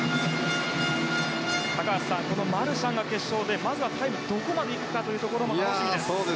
高橋さん、マルシャンが決勝でまずはタイムどこまで行くかも楽しみです。